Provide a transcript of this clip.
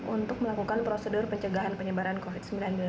untuk melakukan prosedur pencegahan penyebaran covid sembilan belas